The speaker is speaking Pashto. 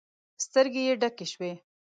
سترګې يې ډکې شوې.